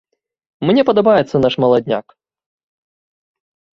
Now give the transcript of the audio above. Мне падабаецца наш маладняк.